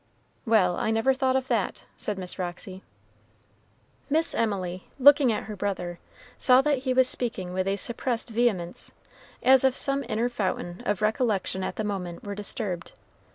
"Well, I never thought of that," said Miss Roxy. Miss Emily, looking at her brother, saw that he was speaking with a suppressed vehemence, as if some inner fountain of recollection at the moment were disturbed.